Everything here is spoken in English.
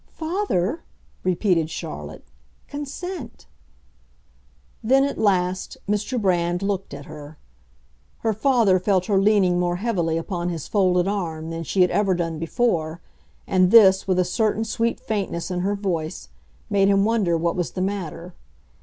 "Father," repeated Charlotte, "consent." Then, at last, Mr. Brand looked at her. Her father felt her leaning more heavily upon his folded arm than she had ever done before; and this, with a certain sweet faintness in her voice, made him wonder what was the matter.